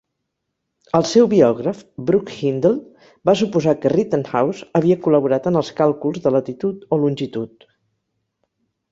El seu biògraf, Brooke Hindle, va suposar que Rittenhouse havia col·laborat en els càlculs de latitud o longitud.